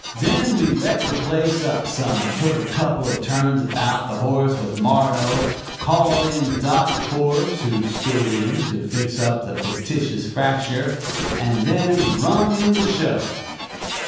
Then we wrecked the place up some, took a couple of turns about the horse with Mardo, called in Doc. Forbes, who stood in, to fix up the fictitious fracture, and then rung in the show.'